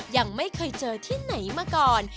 ยังไม่เคยเจอที่ไหนมาก่อน